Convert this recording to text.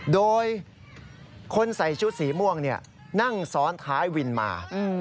โดยคนใส่ชุดสีม่วงนั่งซ้อนท้ายวินมา